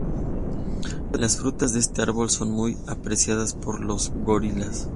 Las frutas de este árbol son muy apreciadas por los gorilas.